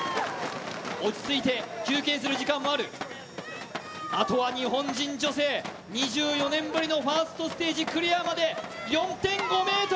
落ち着いて休憩する時間もあるあとは日本人女性２４年ぶりのファーストステージクリアまで４．５ｍ。